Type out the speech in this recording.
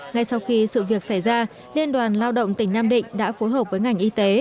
ngay sau khi sự việc xảy ra liên đoàn lao động tỉnh nam định đã phối hợp với ngành y tế